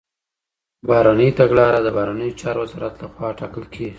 بهرنۍ تګلاره د بهرنيو چارو وزارت لخوا ټاکل کيږي.